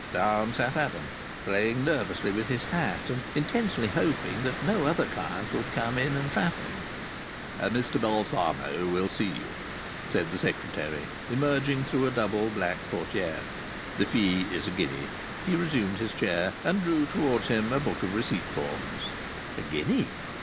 Down sat Adam, playing nervously with his hat, and intensely hoping that no other client would come in and trap him. "Mr Balsamo will see you," said the secretary, emerging through a double black portière. "The fee is a guinea." He resumed his chair and drew towards him a book of receipt forms. A guinea!